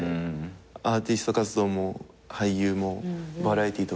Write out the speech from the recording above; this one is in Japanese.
アーティスト活動も俳優もバラエティとかも。